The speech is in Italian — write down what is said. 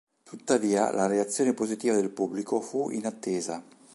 Tuttavia la reazione positiva del pubblico fu inattesa.